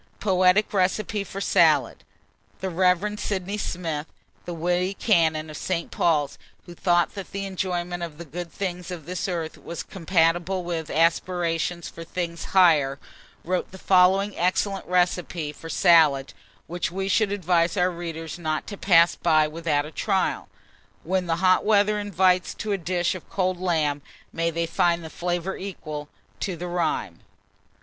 POETIC RECIPE FOR SALAD. The Rev. Sydney Smith, the witty canon of St. Paul's, who thought that an enjoyment of the good things of this earth was compatible with aspirations for things higher, wrote the following excellent recipe for salad, which we should advise our readers not to pass by without a trial, when the hot weather invites to a dish of cold lamb. May they find the flavour equal to the rhyme.